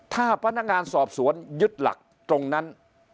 ถ้าพนักงานสอบสวนยึดหลักตรงนั้น